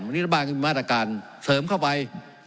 วันนี้รัฐบาลก็มีมาตรการเสริมเข้าไป